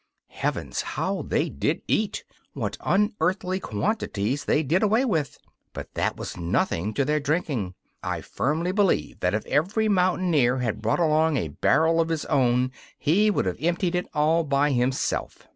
Heavens! how they did eat what unearthly quantities they did away with! But that was nothing to their drinking. I firmly believe that if every mountaineer had brought along a barrel of his own he would have emptied it, all by himself.